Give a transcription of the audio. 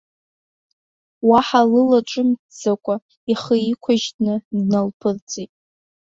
Уаҳа лылаҿымҭӡакәа, ихы иқәыжьны дналԥырҵит.